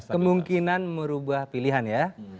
kemungkinan merubah pilihan ya